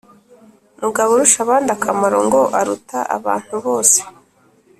mugaburushabandakamaro ngo aruta abantu bose,